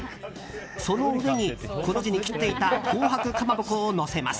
その上にコの字に切っていた紅白かまぼこをのせます。